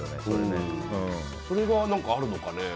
それがあるのかね。